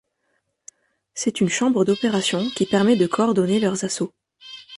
C'est une chambre d'opérations qui permet de coordonner leurs assauts.